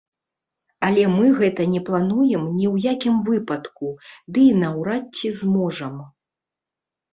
Але мы гэта не плануем ні ў якім выпадку, ды і наўрад ці зможам.